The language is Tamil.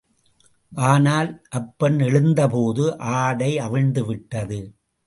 அதனால் அப்பெண் எழுந்த போது ஆடை அவிழ்ந்து விட்டது.